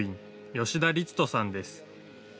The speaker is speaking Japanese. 吉田律人さんです。